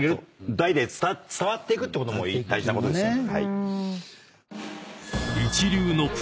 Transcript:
代々伝わっていくってことも大事なことですよね。